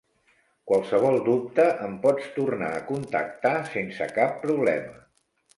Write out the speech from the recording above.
Qualsevol dubte ens pots tornar a contactar sense cap problema.